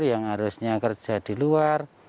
yang harusnya kerja di luar